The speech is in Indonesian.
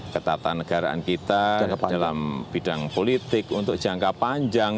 ketatanegaraan kita dalam bidang politik untuk jangka panjang